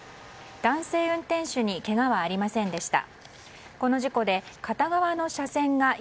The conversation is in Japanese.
男性運転手にけがはありませんでした。